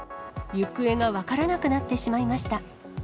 行方が分からなくなってしまいました。